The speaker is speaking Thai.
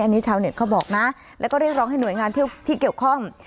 อันนี้ชาวเน็ตเขาบอกนะแล้วก็เรียกร้องให้หน่วยงานที่เกี่ยวข้อง